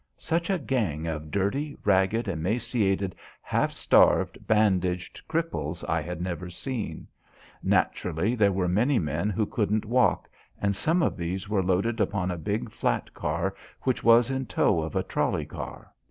Such a gang of dirty, ragged, emaciated, half starved, bandaged cripples I had never seen. Naturally there were many men who couldn't walk, and some of these were loaded upon a big flat car which was in tow of a trolley car.